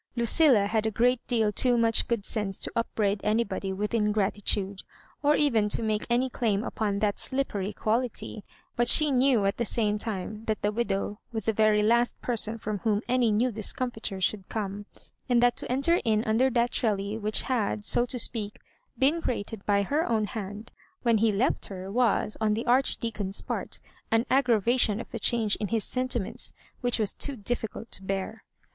Lucilla had A great deal 100 much good sense to upbraid anybody with ingratitude, or even to make any claim upon that slippery quality ; but she knew at the same time that the widow was the very last person from whom a new discomfiture should come, and that to enter in under that trellis, which had, so to speak, been created by her own hand, when he left her, was, on the Archdeacon's part, an aggravation of the change ia his sentiments which it was difficult to bear.